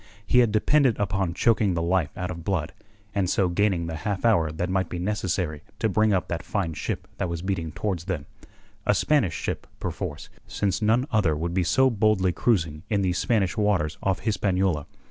He had depended upon choking the life out of Blood, and so gaining the half hour that might be necessary to bring up that fine ship that was beating towards them a Spanish ship, perforce, since none other would be so boldly cruising in these Spanish waters off Hispaniola.